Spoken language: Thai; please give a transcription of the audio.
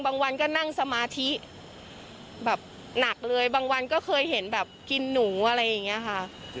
บางวันก็นั่งสมาธิแบบหนักเลยบางวันก็เคยเห็นแบบกินหนูอะไรอย่างนี้ค่ะ